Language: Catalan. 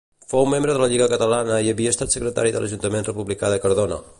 Fou membre de la Lliga Catalana i havia estat secretari de l'Ajuntament republicà de Cardona.